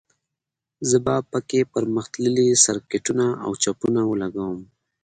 زه به په کې پرمختللي سرکټونه او چپونه ولګوم